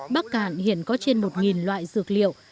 bắc cản hiện có trên một loại dược liệu